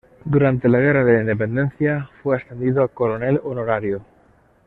Durante la guerra de la independencia fue ascendido a coronel honorario.